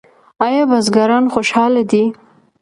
آیا بزګران خوشحاله دي؟